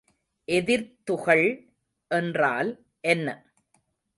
எதிர்த்துகள் என்றால் என்ன?